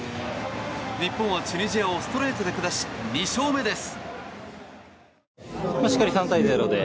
日本はチュニジアをストレートで下し２勝目です。